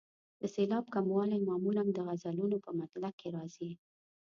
د سېلاب کموالی معمولا د غزلونو په مطلع کې راځي.